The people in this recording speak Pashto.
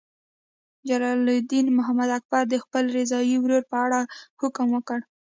جلال الدین محمد اکبر د خپل رضاعي ورور په اړه حکم وکړ.